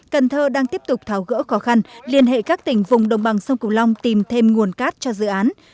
cần thơ đang tiếp tục thảo gỡ khó khăn liên hệ các tỉnh vùng đồng bằng sông củ long tìm thêm nguồn sàn lấp cho dự án